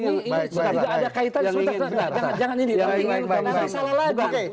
ini salah lagi